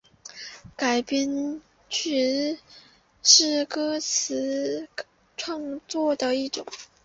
改编词是歌词创作的一种。